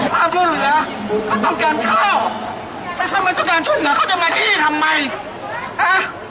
พาช่วยเหลือเขาต้องการข้าวถ้าเขาเป็นเจ้าการช่วยเหลือเขาจะมาที่นี่ทำไมฮะ